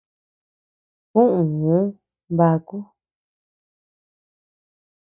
Kuʼuu baku.